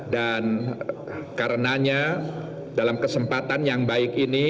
dan karenanya dalam kesempatan yang baik ini